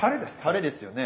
たれですよね。